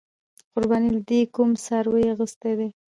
قربانۍ له دې کوم څاروې اغستی دی؟